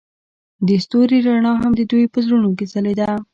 د ستوري رڼا هم د دوی په زړونو کې ځلېده.